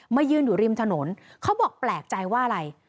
ยืนอยู่ริมถนนเขาบอกแปลกใจว่าอะไร